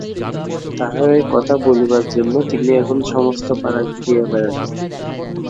তাহারই কথা বলিবার জন্য তিনি এখন সমস্ত পাড়া ঘুরিয়া বেড়ান।